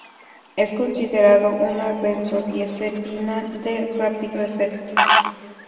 Es considerado una benzodiazepina de rápido efecto.